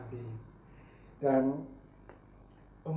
ah ini jadi